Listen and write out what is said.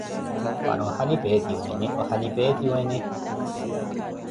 Para ohali peetiwene, ohali peetiwene!